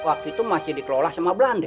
waktu itu masih dikelola sama belanda